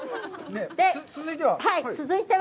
続いては？